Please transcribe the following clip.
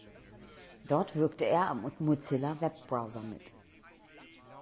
Dort wirkte er am Mozilla-Webbrowser mit.